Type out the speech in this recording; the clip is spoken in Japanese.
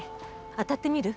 当たってみる？